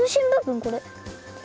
これ。